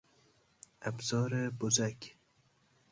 ابزار بزک